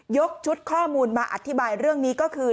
ชุดข้อมูลมาอธิบายเรื่องนี้ก็คือ